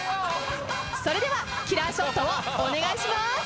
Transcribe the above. それではキラーショットをお願いします。